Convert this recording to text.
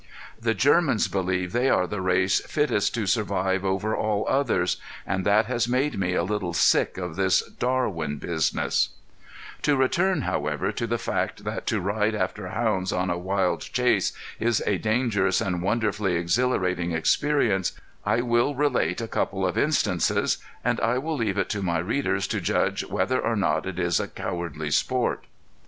The Germans believe they are the race fittest to survive over all others and that has made me a little sick of this Darwin business. [Illustration: A BLACK BEAR TREED] To return, however, to the fact that to ride after hounds on a wild chase is a dangerous and wonderfully exhilarating experience, I will relate a couple of instances, and I will leave it to my readers to judge whether or not it is a cowardly sport.